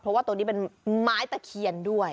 เพราะว่าตัวนี้เป็นไม้ตะเคียนด้วย